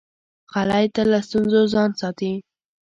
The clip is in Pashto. غلی، تل له ستونزو ځان ساتي.